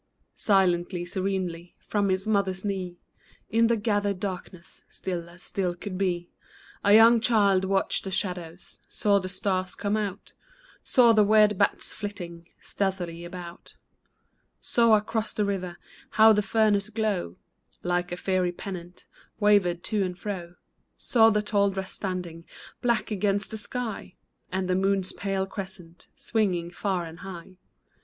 Silently, serenely, From his mother's knee, In the gathering darkness, Still as still could be, A young child watched the shadows ; Saw the stars come out ; Saw the weird bats flitting Stealthily about ; Saw across the river How the furnace glow, Like a fiery pennant, Wavered to and fro ; Saw the tall trees standing Black against the sky. And the moon's pale crescent Swinging far and high.